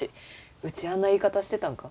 ウチあんな言い方してたんか？